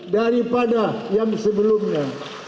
daripada yang sebelumnya